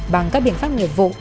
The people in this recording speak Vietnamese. bằng các biện pháp nghiệp vụ